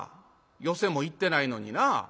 寄席も行ってないのになぁ。